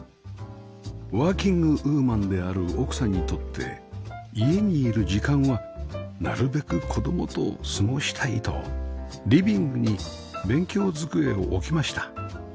ワーキングウーマンである奥さんにとって家にいる時間はなるべく子供と過ごしたいとリビングに勉強机を置きました